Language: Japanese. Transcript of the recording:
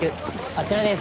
あちらです。